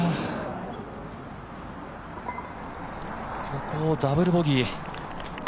ここをダブルボギー。